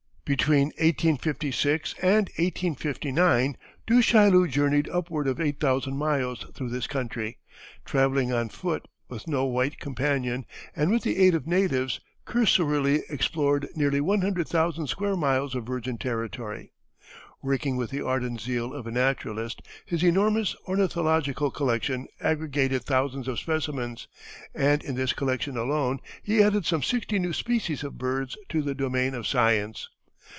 Between 1856 and 1859 Du Chaillu journeyed upward of eight thousand miles through this country, travelling on foot, with no white companion, and, with the aid of natives, cursorily explored nearly one hundred thousand square miles of virgin territory. Working with the ardent zeal of a naturalist, his enormous ornithological collection aggregated thousands of specimens, and in this collection alone he added some sixty new species of birds to the domain of science.